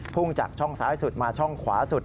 พุ่งจากช่องซ้ายสุดมาช่องขวาสุด